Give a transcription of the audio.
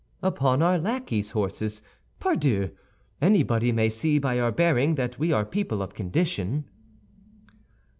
"Upon our lackey's horses, pardieu. Anybody may see by our bearing that we are people of condition."